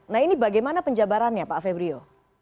nah ini bagaimana penjabarannya pak febrio